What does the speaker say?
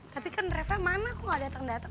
tapi kan reva mana kok gak dateng dateng